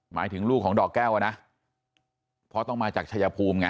หมายถึงลูกของดอกแก้วอ่ะนะเพราะต้องมาจากชายภูมิไง